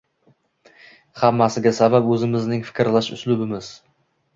Hammasiga sabab — o‘zimizning fikrlash uslubimiz.